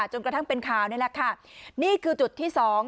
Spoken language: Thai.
จนกระทั่งเป็นข่าวนี่แหละค่ะนี่คือจุดที่สอง